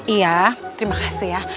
iya terima kasih ya